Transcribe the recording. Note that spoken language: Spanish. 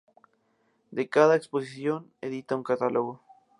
De cada exposición edita un catálogo.